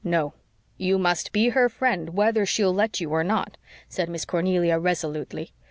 "No, you must be her friend, whether she'll let you or not," said Miss Cornelia resolutely.